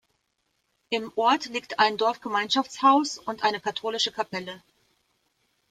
Im Ort liegt ein Dorfgemeinschaftshaus und eine katholische Kapelle.